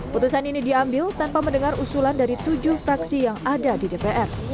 putusan ini diambil tanpa mendengar usulan dari tujuh fraksi yang ada di dpr